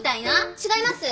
違います？